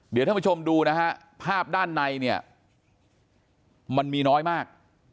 เดี๋ยวท่านผู้ชมดูนะฮะภาพด้านในเนี่ยมันมีน้อยมาก